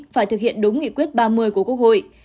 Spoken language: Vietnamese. phải thực hiện đúng nghị quyết ba mươi của quốc hội